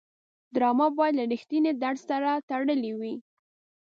ډرامه باید له رښتینې درد سره تړلې وي